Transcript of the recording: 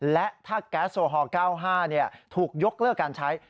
และถ้าแก๊สโอฮอล๙๕ถูกยกเลิกการใช้